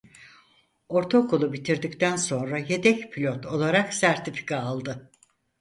Ortaokulu bitirdikten sonra yedek pilot olarak sertifika aldı.